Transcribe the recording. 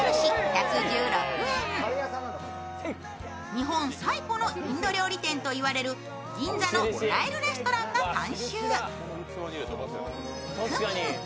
日本最古のインド料理店と言われる銀座のナイルレストランが監修。